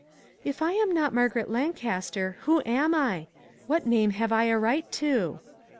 " If I am not Margaret Lancaster, who am I? What name have I a right to?